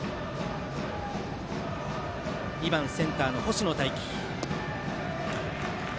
２番センターの星野泰輝。